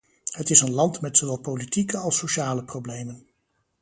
Het is een land met zowel politieke als sociale problemen.